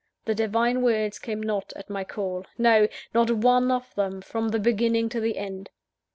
The Divine Words came not at my call no! not one of them, from the beginning to the end!